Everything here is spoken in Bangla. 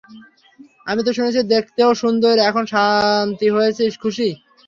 আমি তো শুনেছি দেখতেও সুন্দর, এখন শান্তি হয়েছিস, খুশি?